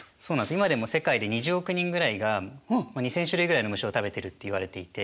今でも世界で２０億人ぐらいが２，０００種類ぐらいの虫を食べてるっていわれていて。